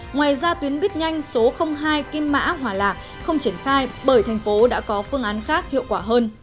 ngoài ra tuyến bít nhanh số hai kim mã hòa lạc không triển khai bởi thành phố đã có phương án khác hiệu quả hơn